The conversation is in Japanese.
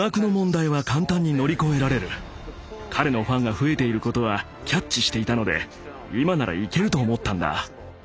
彼のファンが増えていることはキャッチしていたので今ならいけると思ったんだ。